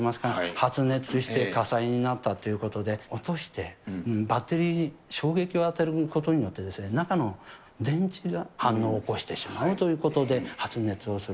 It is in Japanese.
発熱して火災になったっていうことで、落として、バッテリーに衝撃を与えることによって、中の電池が反応を起こしてしまうということで、発熱をする。